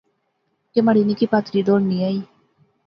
کہ مہاڑی نکی پہاتری دوڑنی آئی